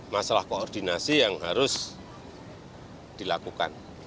masalah koordinasi yang harus dilakukan